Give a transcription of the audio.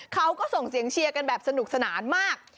เขาก็ส่งเสียงเชียร์กันแบบสนุกสนานมาก